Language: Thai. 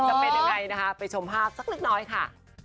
จะเป็นอย่างไรไปชมภาพสักลึกน้อยค่ะ